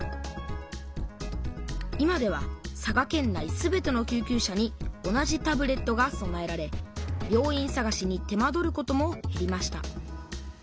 今では佐賀県内全ての救急車に同じタブレットがそなえられ病院さがしに手間取ることもへりました。